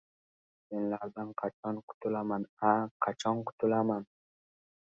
— Senlardan qachon qutulaman-a, qachon qutulaman!